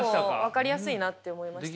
分かりやすいなって思いました。